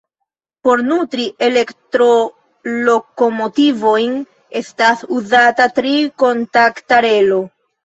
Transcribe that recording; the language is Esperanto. Por nutri elektrolokomotivojn estas uzata tri kontakta relo.